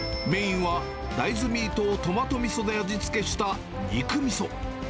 メインは大豆ミートをトマトみそで味付けした肉みそ。